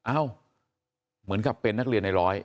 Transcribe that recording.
เอ้าเหมือนกับเป็นนักเรียนในร้อย